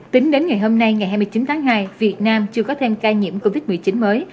tính đến ngày hôm nay ngày hai mươi chín tháng hai việt nam chưa có thêm ca nhiễm covid một mươi chín mới